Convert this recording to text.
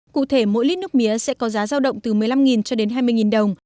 cụ thể mỗi lít nước mía sẽ có giá giao động từ một mươi năm cho đến hai mươi đồng